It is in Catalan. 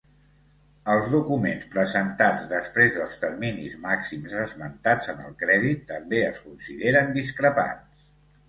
Els documents presentats després dels terminis màxims esmentats en el crèdit també es consideren discrepants.